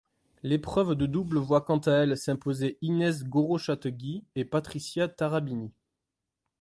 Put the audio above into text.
L'épreuve de double voit quant à elle s'imposer Inés Gorrochategui et Patricia Tarabini.